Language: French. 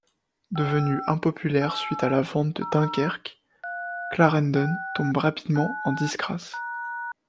Devenu impopulaire suite à la vente de Dunkerque, Clarendon tombe rapidement en disgrâce.